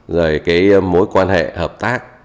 rồi cái mối quan hệ hợp tác